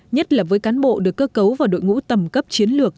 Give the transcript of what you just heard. nhất là với cán bộ được cơ cấu vào đội ngũ tầm cấp chiến lược